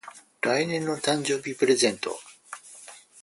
来年の誕生日プレゼント